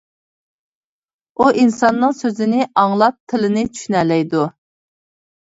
ئۇ ئىنساننىڭ سۆزىنى ئاڭلاپ تىلىنى چۈشىنەلەيدۇ.